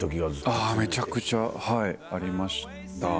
あめちゃくちゃありました。